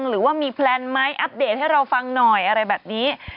หรือว่ามีแพลนไหมอัปเดตให้เราฟังหน่อยอะไรแบบนี้